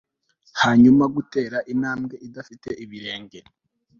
hanyuma, gutera intambwe idafite ibirenge